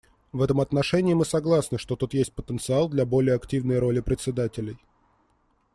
В этом отношении мы согласны, что тут есть потенциал для более активной роли председателей.